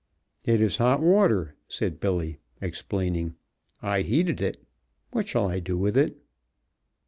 "It is hot water," said Billy, explaining. "I heated it. What shall I do with it?"